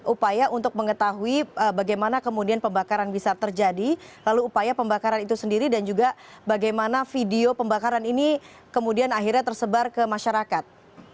upaya untuk mengetahui bagaimana kemudian pembakaran bisa terjadi lalu upaya pembakaran itu sendiri dan juga bagaimana video pembakaran ini kemudian akhirnya tersebar ke masyarakat